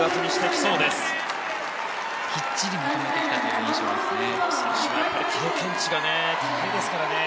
きっちりまとめてきたという印象ですね。